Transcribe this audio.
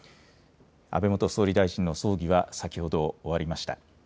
安倍元総理大臣の葬儀は先ほど終わりました。